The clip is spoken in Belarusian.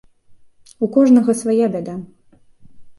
У кожнага свая бяда.